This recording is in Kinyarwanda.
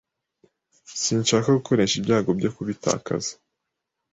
Sinshaka gukoresha ibyago byo kubitakaza.